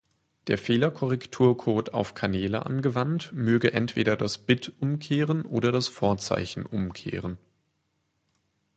Der Fehlerkorrektur-Code auf Kanäle angewandt, möge entweder das Bit umkehren oder das Vorzeichen umkehren.